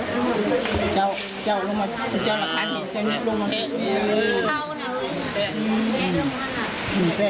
ตอนนี้ก็ไม่มีเวลาให้กลับมาเที่ยวกับเวลา